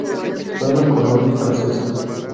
Fue una colonia francesa.